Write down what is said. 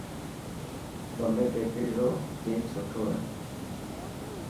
بمبي بيڪري روڪيڪ سٺو هي.